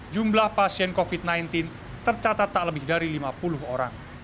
jumlah pasien covid sembilan belas tercatat tak lebih dari lima puluh orang